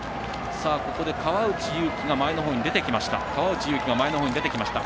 ここで、川内優輝が前の方に出てきました。